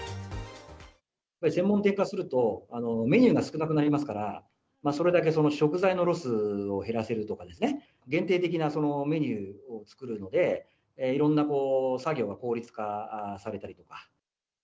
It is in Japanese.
専門店化すると、メニューが少なくなりますから、それだけ食材のロスを減らせるとかですね、限定的なメニューを作るので、いろんな作業の効率化されたりとか。